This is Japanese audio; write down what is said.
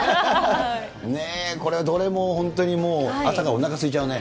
これはどれも本当にもう、朝からおなかすいちゃうね。